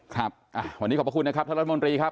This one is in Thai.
ครับวันนี้ขอบพระคุณนะครับท่านรัฐมนตรีครับ